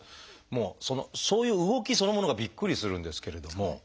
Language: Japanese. もうそういう動きそのものがびっくりするんですけれども。